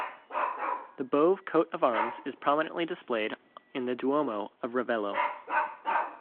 The Bove coat of arms is prominently displayed in the Duomo of Ravello.